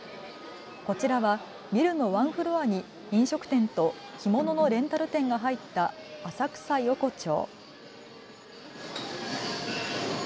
こちらはビルのワンフロアに飲食店と着物のレンタル店が入った浅草横町。